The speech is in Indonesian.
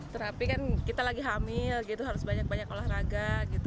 terapi kan kita lagi hamil harus banyak banyak olahraga